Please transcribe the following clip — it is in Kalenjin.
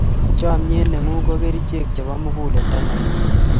chamiet ne ng'un ko kerichek chebo munguleldo ne nyun